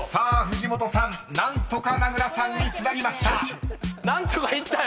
［藤本さん何とか名倉さんにつなぎました］